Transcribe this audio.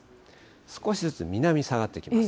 少しずつ南に下がってきます。